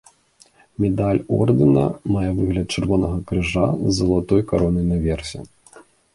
Медаль ордэна мае выгляд чырвонага крыжа з залатой каронай наверсе.